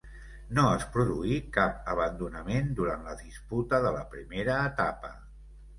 No es produí cap abandonament durant la disputa de la primera etapa.